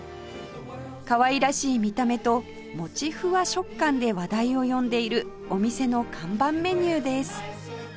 かわいらしい見た目ともちふわ食感で話題を呼んでいるお店の看板メニューです